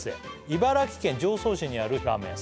茨城県常総市にあるラーメン